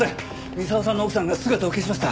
三沢さんの奥さんが姿を消しました。